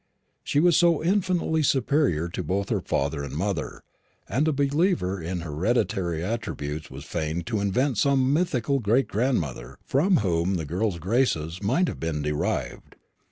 She was so infinitely superior to both father and mother, that a believer in hereditary attributes was fain to invent some mythical great grandmother from whom the girl's graces might have been derived.